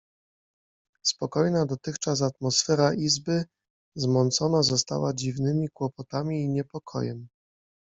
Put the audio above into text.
Spokojna dotychczas atmosfera izby zmącona została dziwnymi kłopotami i niepokojem.